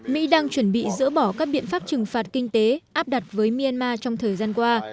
mỹ đang chuẩn bị dỡ bỏ các biện pháp trừng phạt kinh tế áp đặt với myanmar trong thời gian qua